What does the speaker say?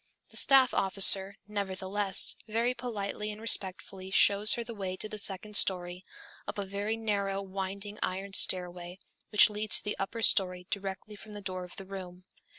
The staff officer, nevertheless, very politely and respectfully shows her the way to the second story, up a very narrow winding iron stairway which leads to the upper story directly from the door of the room.